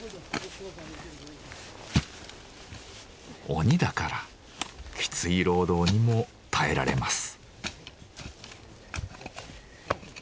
鬼だからきつい労働にも耐えられます。